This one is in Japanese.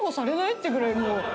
ってぐらいもう。